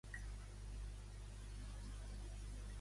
Quines són les dees de la protecció?